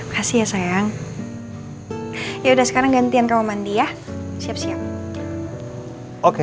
kasih ya sayang ya udah sekarang gantian kamu mandi ya siap siap oke